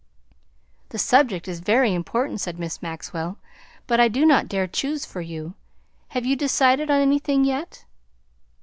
"The subject is very important," said Miss Maxwell, "but I do not dare choose for you. Have you decided on anything yet?"